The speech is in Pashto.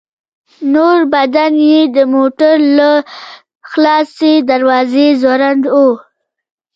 نور بدن يې د موټر له خلاصې دروازې ځوړند و.